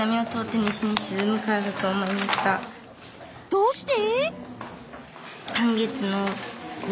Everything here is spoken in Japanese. どうして？